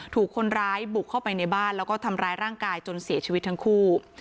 ถูกคนร้ายบุกเข้าไปในบ้านแล้วก็ทำร้ายร่างกายจนเสียชีวิตทั้งคู่